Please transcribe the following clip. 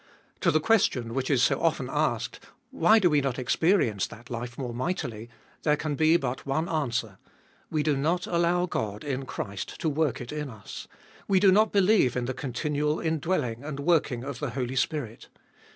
To the question which is so often asked, Why we do not experience that life more mightily, there can be but one answer : We do not allow God in Christ to work it in us ; we do not believe in the continual indwelling and working of the Holy Spirit.